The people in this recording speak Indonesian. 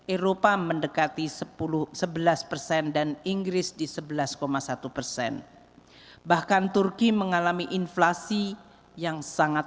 eropa mendekati sepuluh sebelas persen dan inggris di sebelas satu persen bahkan turki mengalami inflasi yang sangat